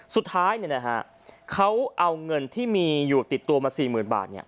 สุดท้ายเขาเอาเงินที่มีอยู่ติดตัวมา๔๐๐๐บาท